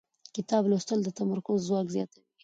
کتاب لوستل د تمرکز ځواک زیاتوي